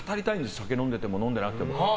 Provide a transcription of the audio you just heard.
酒飲んでても飲んでなくても。